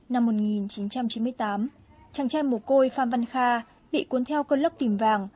năm một nghìn chín trăm chín mươi tám chàng trai mồ côi phan văn kha bị cuốn theo cơn lốc tìm vàng